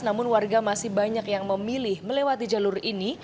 namun warga masih banyak yang memilih melewati jalur ini